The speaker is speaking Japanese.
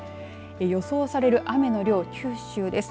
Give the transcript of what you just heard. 予想される雨の量、九州です。